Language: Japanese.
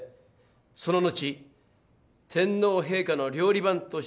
「その後天皇陛下の料理番として」